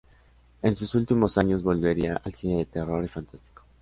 En sus últimos años volvería al cine de terror y fantástico.